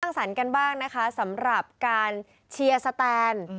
สรรค์กันบ้างนะคะสำหรับการเชียร์สแตน